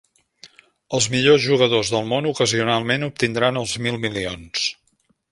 Els millors jugadors del món ocasionalment obtindran els mil milions.